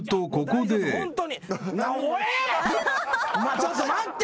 ちょっと待ってって。